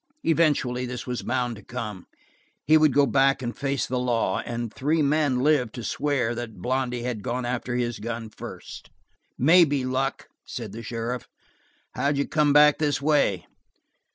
Eventually this was bound to come. He would go back and face the law, and three men lived to swear that Blondy had gone after his gun first. "Maybe luck," said the sheriff. "How d' you come back this way?"